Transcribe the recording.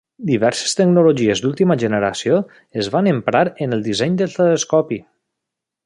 Diverses tecnologies d'última generació es van emprar en el disseny del telescopi.